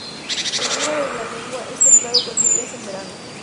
El clima de la laguna es templado con lluvias en verano.